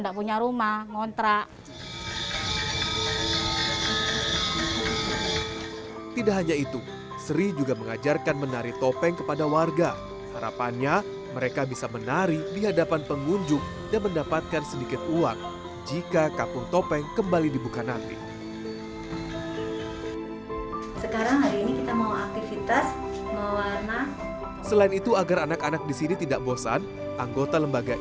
saya bagikan terutama ke saudara saudara kita di pasar tradisional